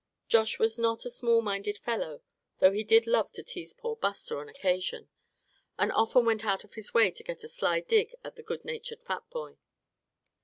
Josh was not a small minded fellow, though he did love to tease poor Buster on occasion; and often went out of his way to get a sly dig at the good natured fat boy.